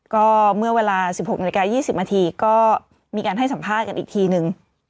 ก็เมื่อเวลาสิบหกนาฬิกายี่สิบมันทีก็มีการให้สัมภาษณ์กันอีกทีหนึ่ง